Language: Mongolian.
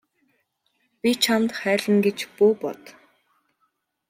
Би чамд хайлна гэж бүү бод.